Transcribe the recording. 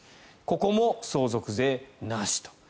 ここも相続税なしと。